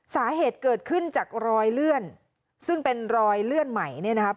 สาเหตุเกิดขึ้นจากรอยเลื่อนซึ่งเป็นรอยเลื่อนใหม่เนี่ยนะครับ